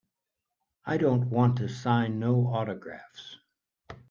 I don't wanta sign no autographs.